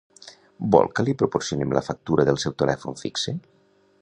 Vol que li proporcionem la factura del seu telèfon fixe?